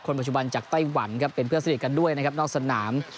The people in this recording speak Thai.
ปัจจุบันจากไต้หวันครับเป็นเพื่อนสนิทกันด้วยนะครับนอกสนาม